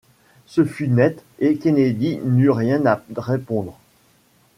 Ce fut net, et Kennedy n’eut rien à répondre.